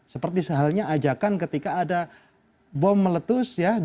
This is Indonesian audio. seperti sehalnya ajakan ketika ada bom meletus